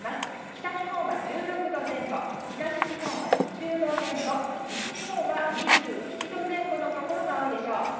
北日本は１６度前後東日本は２０度前後西日本は２１度前後のところが多いでしょう。